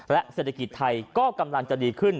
เศรษฐกิจไทยก็กำลังจะดีขึ้น